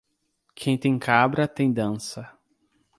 Quem tem cabra tem dança.